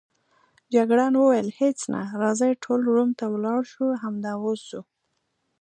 جګړن وویل: هیڅ نه، راځئ ټول روم ته ولاړ شو، همدا اوس ځو.